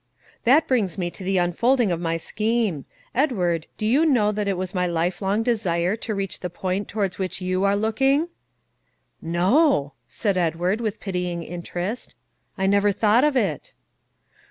"That brings me to the unfolding of my scheme. Edward, do you know that it was my lifelong desire to reach the point towards which you are looking?" "No," said Edward, with pitying interest; "I never thought of it."